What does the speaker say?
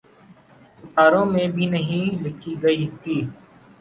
ستاروں میں بھی نہیں لکھی گئی تھی۔